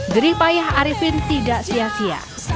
geri payah arifin tidak sia sia